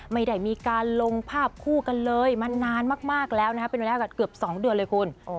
ไม่ได้มีการลงภาพคู่กันเลยมานานมากแล้วนะครับเป็นเวลากันเกือบ๒เดือนเลยคุณ